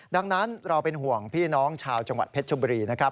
ดังนั้นเราเป็นห่วงพี่น้องชาวจังหวัดเพชรชบุรีนะครับ